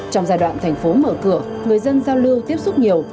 trong giai đoạn thành phố mở cửa người dân giao lưu tiếp xúc nhiều